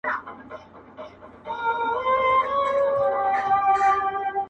• جوړه کړې یې په چت کي ځالګۍ وه -